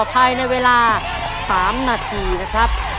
ภายในเวลา๓นาทีนะครับ